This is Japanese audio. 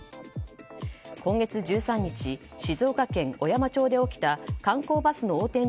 今月１３日静岡県小山町で起きた観光バスの横転